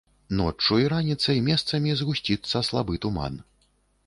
Ноччу і раніцай месцамі згусціцца слабы туман.